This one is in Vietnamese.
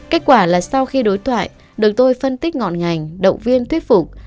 kết quả là sau khi đối thoại được tôi phân tích ngọn ngành động viên thuyết phục